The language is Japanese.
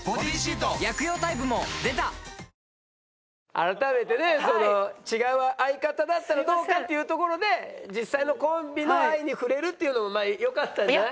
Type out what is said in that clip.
改めてねその違う相方だったらどうかっていうところで実際のコンビの愛に触れるっていうのもまあよかったんじゃない？